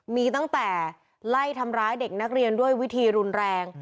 มีตั้งแต่ไล่ทำร้ายเด็กนักเรียนด้วยวิธีรุนแรง